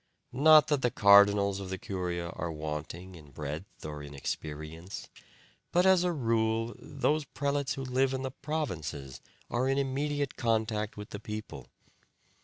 Not that the cardinals of the curia are wanting in breadth or in experience, but as a rule those prelates who live in the provinces are in immediate contact with the people.